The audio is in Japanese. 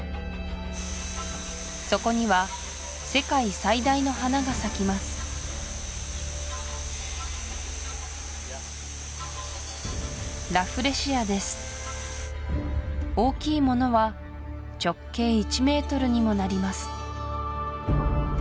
そこには世界最大の花が咲きますラフレシアです大きいものは直径１ｍにもなります